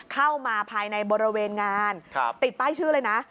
เข้ามาภายในบริเวณงานติดป้ายชื่อเลยนะ